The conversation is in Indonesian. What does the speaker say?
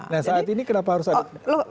nah saat ini kenapa harus ada